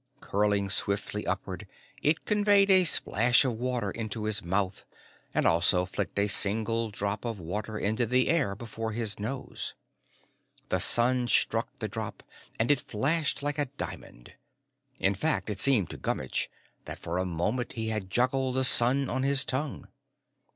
Curling swiftly upward, it conveyed a splash of water into his mouth and also flicked a single drop of water into the air before his nose. The sun struck the drop and it flashed like a diamond. In fact, it seemed to Gummitch that for a moment he had juggled the sun on his tongue.